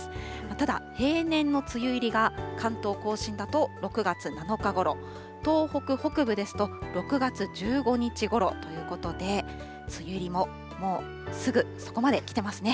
ただ平年の梅雨入りが関東甲信だと６月７日ごろ、東北北部ですと６月１５日ごろということで、梅雨入りももうすぐそこまで来てますね。